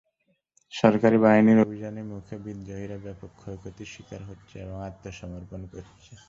সরকারি বাহিনীর অভিযানের মুখে বিদ্রোহীরা ব্যাপক ক্ষয়ক্ষতির শিকার হচ্ছে এবং আত্মসমর্পণ করছে।